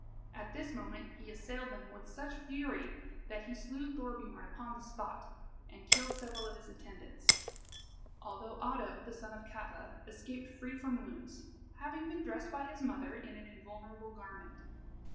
At this moment he assailed them with such fury that he slew Thorbiorn upon the spot, and killed several of his attendants, although Oddo, the son of Katla, escaped free from wounds, having been dressed by his mother in an invulnerable garment.